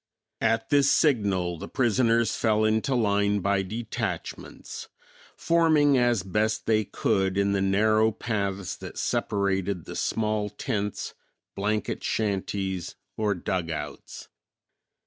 At this signal the prisoners fell into line by detachments, forming as best they could in the narrow paths that separated the small tents, blanket shanties or dug outs.